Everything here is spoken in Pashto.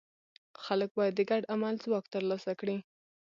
خلک باید د ګډ عمل ځواک ترلاسه کړي.